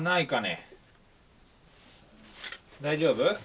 大丈夫？